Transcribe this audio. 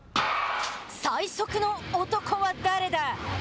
最速の男は誰だ！